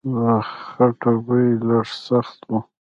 د خټو بوی لږ سخت و.